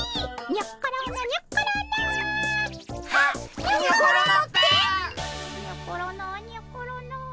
にょころのにょころの。